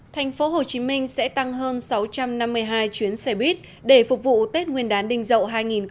thành phố hồ chí minh sẽ tăng hơn sáu trăm năm mươi hai chuyến xe buýt để phục vụ tết nguyên đán đình dậu hai nghìn một mươi bảy